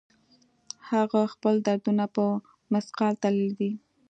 هغه خپل دردونه په مثقال تللي دي